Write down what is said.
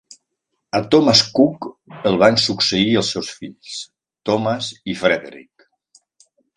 A Thomas Cook el van succeir els seus fills, Thomas i Frederick.